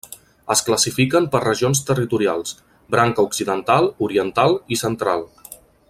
Es classifiquen per regions territorials: branca occidental, oriental i central.